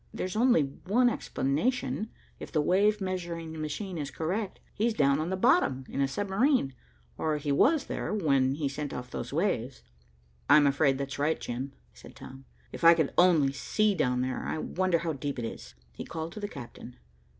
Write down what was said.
"There's only one explanation, if the wave measuring machine is correct. He's down on the bottom in a submarine, or he was there when he sent off those waves." "I'm afraid that's right, Jim," said Tom. "If I could only see down there. I wonder how deep it is." He called to the captain.